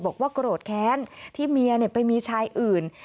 บอกว่าโกรธแค้นที่เมียไปมีชายอื่น